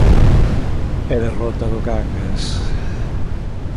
E derrota do Cangas.